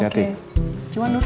kita antri ke kamar ya mas